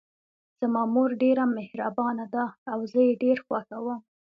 زما مور ډیره مهربانه ده او زه یې ډېر خوښوم